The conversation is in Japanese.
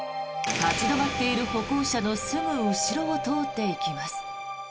立ち止まっている歩行者のすぐ後ろを通っていきます。